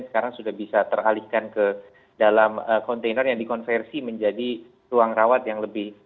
sekarang sudah bisa teralihkan ke dalam kontainer yang dikonversi menjadi ruang rawat yang lebih